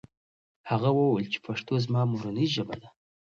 هغه وویل چې پښتو زما مورنۍ ژبه ده.